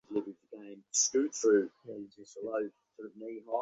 নিজ নিজ ক্ষেত্রে প্রত্যেকেই মহান্।